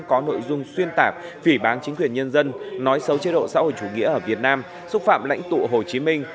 có nội dung xuyên tạp phỉ bán chính quyền nhân dân nói xấu chế độ xã hội chủ nghĩa ở việt nam xúc phạm lãnh tụ hồ chí minh